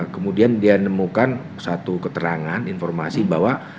kemudian dia nemukan satu keterangan informasi bahwa